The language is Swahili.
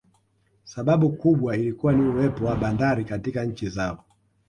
Sababu kubwa ikiwa ni uwepo wa bandari katika nchi zao